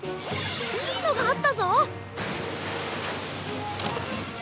いいのがあったぞ！